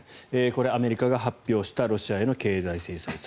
これ、アメリカが発表したロシアへの経済制裁。